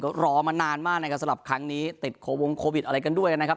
ก็รอมานานมากนะครับสำหรับครั้งนี้ติดโควงโควิดอะไรกันด้วยนะครับ